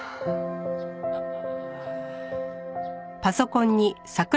ああ。